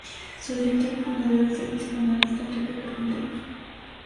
Su director y fundador es el psicoanalista Enrique Carpintero.